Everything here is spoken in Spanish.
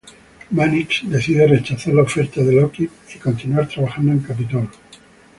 Mannix decide rechazar la oferta de Lockheed y continuar trabajando en Capitol.